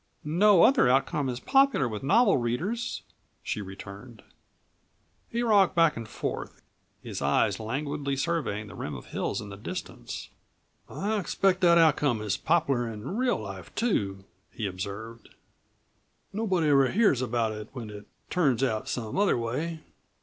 "No other outcome is popular with novel readers," she returned. He rocked back and forth, his eyes languidly surveying the rim of hills in the distance. "I expect that outcome is popular in real life too," he observed. "Nobody ever hears about it when it turns out some other way."